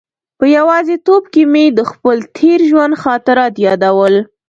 په یوازې توب کې مې د خپل تېر ژوند خاطرات یادول.